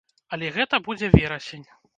Але гэта будзе верасень.